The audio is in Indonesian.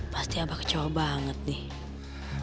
pasti abah kecewa banget nih